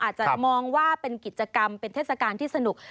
อาจจะมองว่าเป็นกิจกรรมเป็นเทศกาลที่สนุก